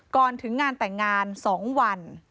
ก่อนถึงงานแต่งงาน๒วัน